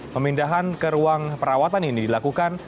pemindahan ke ruang perawatan ini dilakukan